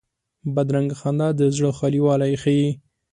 بدرنګه خندا د زړه خالي والی ښيي